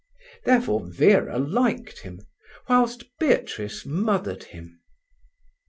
Therefore Vera liked him, whilst Beatrice mothered him.